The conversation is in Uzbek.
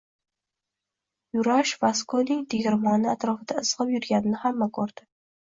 Yurash Vaskoning tegirmoni atrofida izgʻib yurganini hamma koʻrdi.